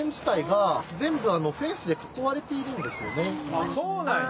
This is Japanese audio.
あっそうなんや。